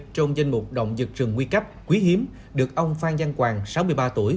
trong danh mục động vật trừng nguy cấp quý hiếm được ông phan giang quang sáu mươi ba tuổi